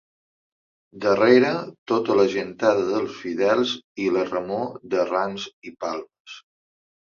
Darrera, tota la gentada dels fidels i la remor de rams i palmes.